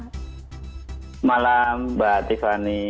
selamat malam mbak tiffany